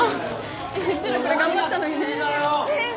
うちらこれ頑張ったのにね。